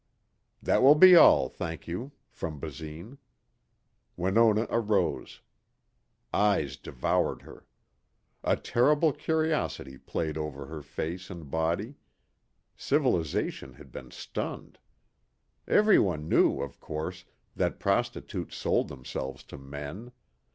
That will be all, thank you, from Basine. Winona arose. Eyes devoured her. A terrible curiosity played over her face and body. Civilization had been stunned. Everyone knew, of course, that prostitutes sold themselves to men.